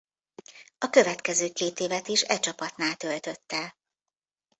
A következő két évet is e csapatnál töltötte.